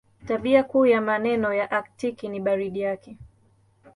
Tabia kuu ya maeneo ya Aktiki ni baridi yake.